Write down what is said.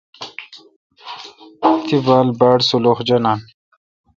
تی بال باڑسلخ جانان۔